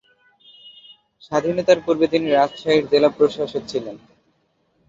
স্বাধীনতার পূর্বে তিনি রাজশাহীর জেলা প্রশাসক ছিলেন।